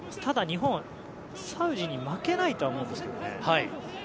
ただ、日本はサウジに負けないとは思いますけどね。